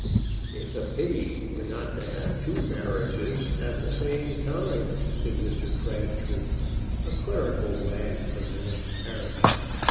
"It's a pity we're not to have two marriages at the same time," said Mr. Crabtree, a clerical wag from the next parish.